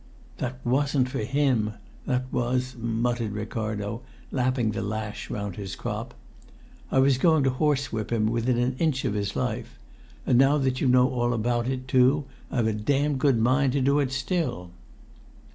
"That wasn't for him. This was," muttered Ricardo, lapping the lash round his crop. "I was going to horsewhip him within an inch of his life. And now that you know all about it, too, I've a damned good mind to do it still!"